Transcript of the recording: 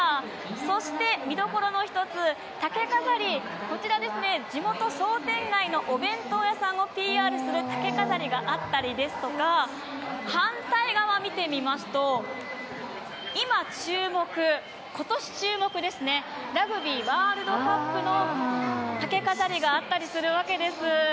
そして、見どころの１つ、竹飾り、こちらですね、地元商店街のお弁当屋さんをＰＲする竹飾りがあったりですとか反対側見てみますと、今注目今年注目ですね、ラグビーワールドカップの竹飾りがあったりするわけです。